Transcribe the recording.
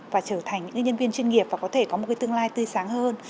và trở thành những nhân viên chuyên nghiệp và có thể có một tương lai tươi sáng hơn